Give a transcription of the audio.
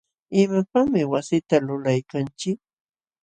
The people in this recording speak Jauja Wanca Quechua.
¿imapaqmi wasita lulaykanchik?